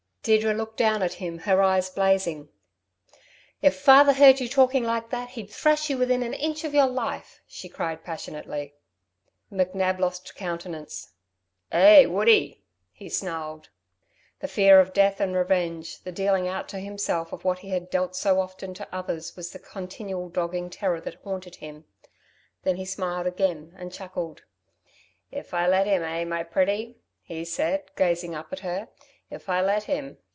Deirdre looked down at him, her eyes blazing. "If father heard you talking like that, he'd thrash you within an inch of your life," she cried passionately. McNab lost countenance. "Eh, would he?" he snarled. The fear of death and revenge, the dealing out to himself of what he had dealt so often to others, was the continual dogging terror that haunted him. Then he smiled again and chuckled. "If I let him, eh, my pretty," he said, gazing up at her. "If I let him.